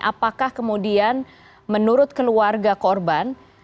apakah kemudian menurut keluarga korban